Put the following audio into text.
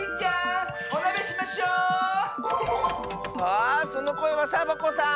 あそのこえはサボ子さん！